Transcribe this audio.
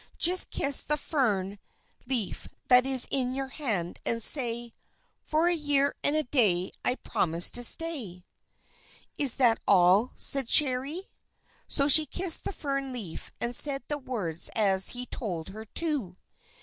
"Just kiss the fern leaf that is in your hand, and say: 'For a year and a day I promise to stay!'" "Is that all!" said Cherry. So she kissed the fern leaf, and said the words as he told her to.